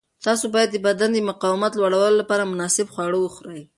تاسو باید د بدن د مقاومت لوړولو لپاره مناسب خواړه وخورئ.